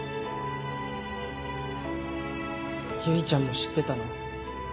唯ちゃんも知ってたの？